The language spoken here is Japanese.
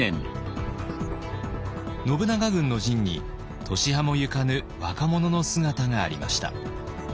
信長軍の陣に年端も行かぬ若者の姿がありました。